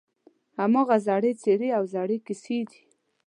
هماغه زړې څېرې او زړې کیسې دي.